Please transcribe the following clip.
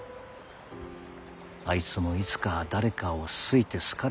あいつもいつか誰かを好いて好かれて。